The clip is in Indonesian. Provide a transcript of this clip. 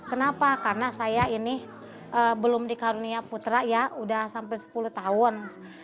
kenapa karena saya ini belum dikarunia putra ya udah sampai sepuluh tahun